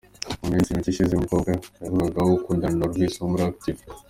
Mu minsi mike ishize uyu mukobwa yavugwagaho gukundana na Olvis wo muri Active.